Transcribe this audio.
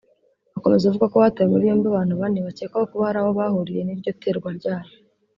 Akomeza avuga ko hatawe muri yombi abantu bane bakekwaho kuba hari aho baba bahuriye n’iryo terwa ryayo